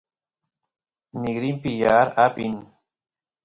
nigrinpi yaar apin